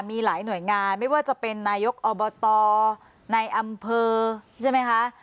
มีหลายหน่วยงานไม่ว่าจะเป็นนายกอบตในอำเภอใช่ไหมคะ